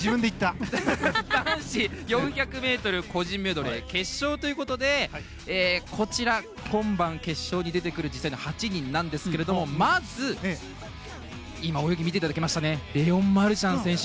男子４００ｍ個人メドレー決勝ということでこちら、今晩の決勝に出てくる８人なんですがまず、今泳ぎを見ていただきましたレオン・マルシャン選手。